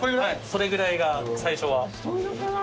それぐらいが最初は。